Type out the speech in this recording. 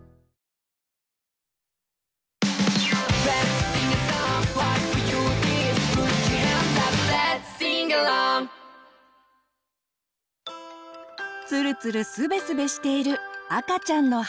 ツルツルスベスベしている赤ちゃんの肌。